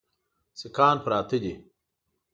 سیکهان پراته دي.